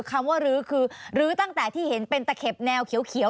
คำว่ารื้อคือลื้อตั้งแต่ที่เห็นเป็นตะเข็บแนวเขียว